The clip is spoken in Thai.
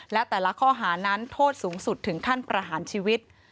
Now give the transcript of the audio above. และแต่ละข้อหานั้นโทษสูงสุดถึงขั้นประหารชีวิต